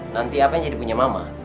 nanti apa yang jadi punya mama